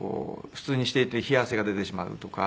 普通にしていて冷や汗が出てしまうとか。